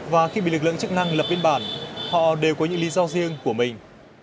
và khi bị lực lượng chức năng lập biên bản họ đều có những lý do riêng của mình